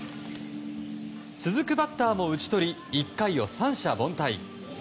続くバッターも打ち取り１回を三者凡退。